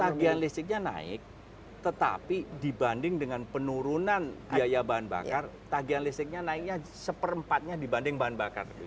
tagihan listriknya naik tetapi dibanding dengan penurunan biaya bahan bakar tagihan listriknya naiknya seperempatnya dibanding bahan bakar